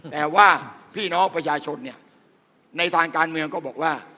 แต่ว่าพี่น้องประชาชนเนี่ยในทางการเมืองก็บอกว่า